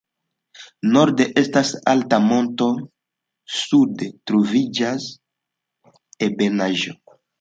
Norde estas altaj montoj, sude troviĝas ebenaĵo.